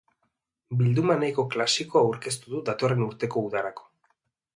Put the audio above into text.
Bilduma nahiko klasikoa aurkeztu du datorren urteko udarako.